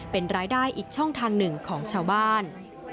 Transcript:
เป็นรายได้อีกช่องทางหนึ่งของชาวบ้าน